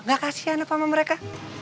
gak kasian apa sama mereka